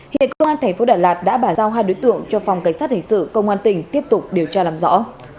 hiện công an tp đà lạt đã bàn giao hai đối tượng cho phòng cảnh sát hình sự công an tỉnh tiếp tục điều tra làm rõ